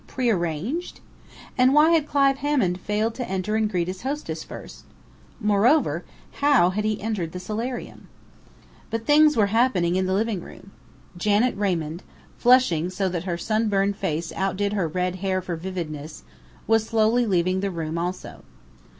Prearranged?... And why had Clive Hammond failed to enter and greet his hostess first? Moreover, how had he entered the solarium? But things were happening in the living room. Janet Raymond, flushing so that her sunburned face outdid her red hair for vividness, was slowly leaving the room also.